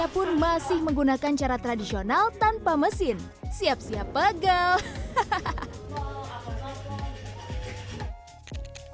pun masih menggunakan cara tradisional tanpa mesin siap siap pegal hahaha